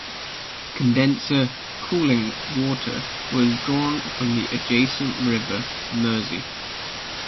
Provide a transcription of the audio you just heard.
Condenser cooling water was drawn from the adjacent River Mersey.